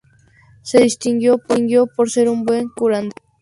Se distinguió por ser un buen curandero.